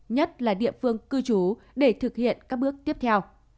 nhất là địa phương cư trú để thực hiện các bước tiếp theo